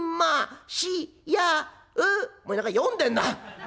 「お前何か読んでんな」。